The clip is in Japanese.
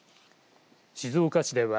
静岡市では